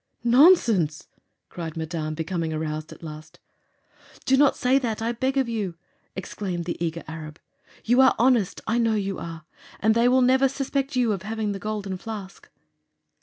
"Nonsense!" cried Madame, becoming aroused at last. "Do not say that, I beg of you," exclaimed the eager Arab. "You are honest I know you are! And they will never suspect you of having the Golden Flask."